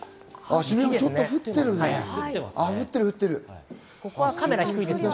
渋谷もちょっと降ってるね。